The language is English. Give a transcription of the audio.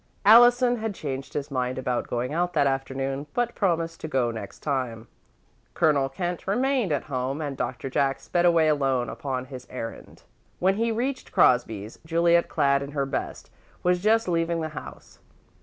Allison had changed his mind about going out that afternoon, but promised to go next time. Colonel Kent remained at home, and Doctor Jack sped away alone upon his errand. When he reached Crosby's, Juliet clad in her best, was just leaving the house.